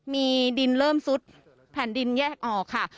มีดินเริ่มซุดแผ่นดินแยกออกค่ะ